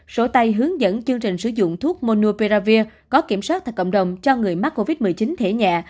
sổ tay hướng dẫn chương trình sử dụng thuốc monoperavir có kiểm soát tại cộng đồng cho người mắc covid một mươi chín thể nhẹ